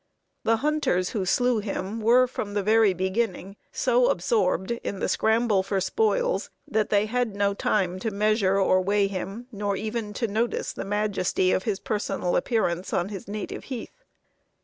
The hunters who slew him were from the very beginning so absorbed in the scramble for spoils that they had no time to measure or weigh him, nor even to notice the majesty of his personal appearance on his native heath.